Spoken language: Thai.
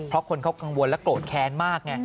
เพราะคนเขากังวลและโกรธแค้นมากไง